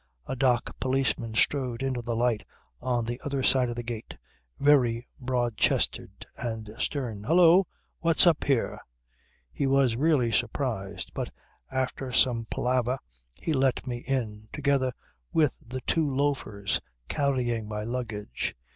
A dock policeman strode into the light on the other side of the gate, very broad chested and stern. "Hallo! What's up here?" "He was really surprised, but after some palaver he let me in together with the two loafers carrying my luggage.